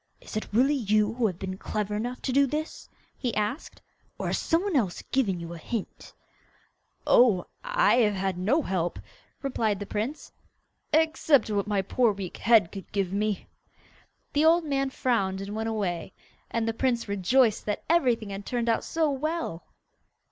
'Is it really you who have been clever enough to do that?' he asked. 'Or has some one else given you a hint?' 'Oh, I have had no help,' replied the prince, 'except what my poor weak head could give me.' The old man frowned, and went away, and the prince rejoiced that everything had turned out so well.